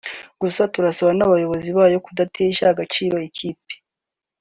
Gusa turasaba nabayobozi bayo kudatesha agaciro ikipe